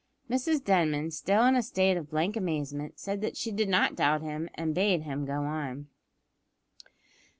Mrs Denman, still in a state of blank amazement, said that she did not doubt him, and bade him go on.